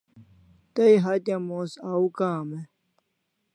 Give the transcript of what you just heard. Tay hatya mos au kam e?